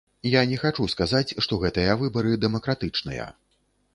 Я не хачу сказаць, што гэтыя выбары дэмакратычныя.